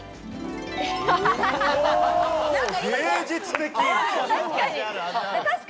芸術的。